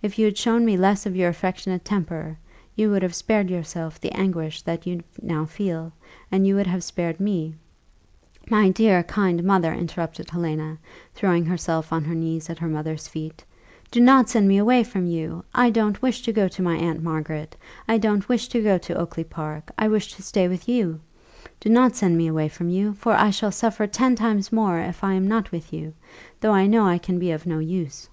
If you had shown me less of your affectionate temper, you would have spared yourself the anguish that you now feel, and you would have spared me " "My dear, kind mother," interrupted Helena, throwing herself on her knees at her mother's feet, "do not send me away from you I don't wish to go to my Aunt Margaret I don't wish to go to Oakly park I wish to stay with you. Do not send me away from you; for I shall suffer ten times more if I am not with you, though I know I can be of no use."